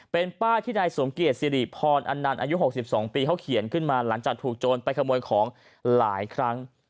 เป็นป้ายที่นายสมเกียจสิริพรอันนันต์อายุ๖๒ปีเขาเขียนขึ้นมาหลังจากถูกโจรไปขโมยของหลายครั้ง